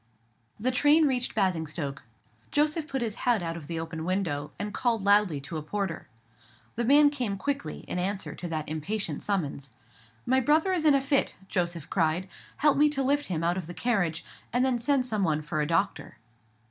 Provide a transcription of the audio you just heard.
The train reached Basingstoke; Joseph put his head out of the open window, and called loudly to a porter. The man came quickly, in answer to that impatient summons. "My brother is in a fit," Joseph cried; "help me to lift him out of the carriage, and then send some one for a doctor."